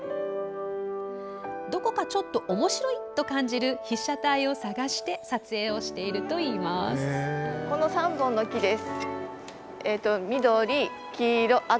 どこか、ちょっとおもしろいと感じる被写体を探して撮影をしているといいます。